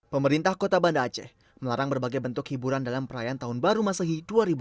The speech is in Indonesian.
pemerintah kota banda aceh melarang berbagai bentuk hiburan dalam perayaan tahun baru masehi dua ribu dua puluh